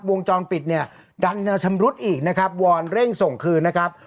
วงจรปิดเนี่ยดันชมรุษอีกวรแร่งส่งคืนนะครับ